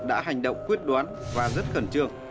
đã hành động khuyết đoán và rất khẩn trường